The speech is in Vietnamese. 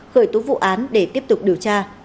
khởi tố vụ án để tiếp tục điều tra